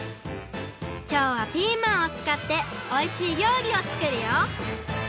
きょうはピーマンをつかっておいしい料理を作るよ！